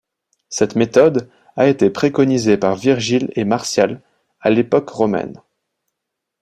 Cette méthode a été préconisée par Virgile et Martial à l'époque romaine.